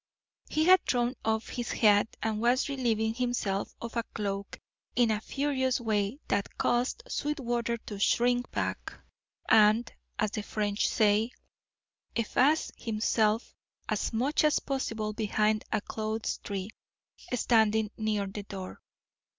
He had thrown off his hat and was relieving himself of a cloak in a furious way that caused Sweetwater to shrink back, and, as the French say, efface himself as much as possible behind a clothes tree standing near the door.